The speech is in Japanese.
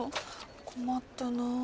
困ったな。